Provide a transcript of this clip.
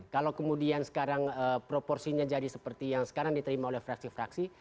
kalau kemudian sekarang proporsinya jadi seperti yang sekarang diterima oleh fraksi fraksi